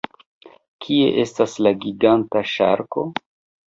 Kie estas la giganta ŝarko?